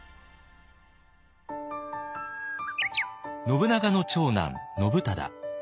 信長の長男信忠。